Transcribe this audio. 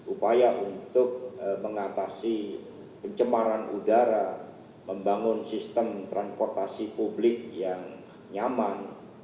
upaya untuk mengatasi pencemaran udara membangun sistem transportasi publik yang nyaman